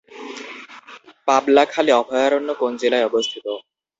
পাবলাখানী অভয়ারণ্য কোন জেলায় অবস্থিত?